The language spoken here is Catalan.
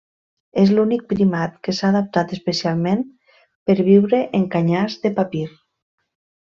És l'únic primat que s'ha adaptat especialment per viure en canyars de papir.